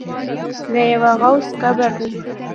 د یوه غوث قبر دی.